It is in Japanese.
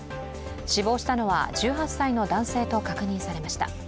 死亡したのは１８歳の男性と確認されました。